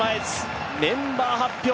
メンバー発表